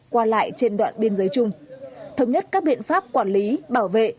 qua lại trên đoạn biên giới chung thống nhất các biện pháp quản lý bảo vệ